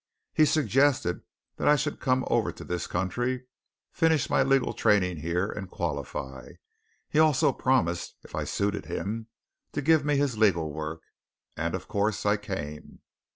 He suggested that I should come over to this country, finish my legal training here, and qualify. He also promised if I suited him to give me his legal work. And, of course, I came."